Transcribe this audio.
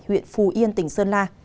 huyện phù yên tỉnh sơn la